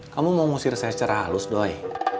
kamu mau mengusir saya secara halus doi